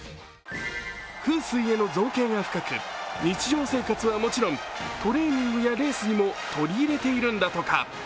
風水への造形が深く日常生活はもちろんトレーニングやレースにも取り入れているんだとか。